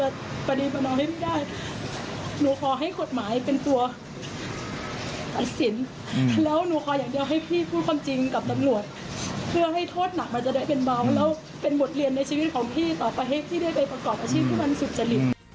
ต่อไปให้พี่ได้ไปประกอบอาชีพที่มันสุขจริง